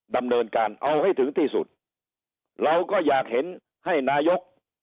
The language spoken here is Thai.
ดำเนินการเอาให้ถึงที่สุดเราก็อยากเห็นให้นายก